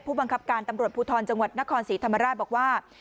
บังคับการตำรวจภูทรจังหวัดนครศรีธรรมราชบอกว่า